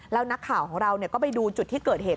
แล้วนักข่าวของเราก็ไปดูจุดที่เกิดเหตุ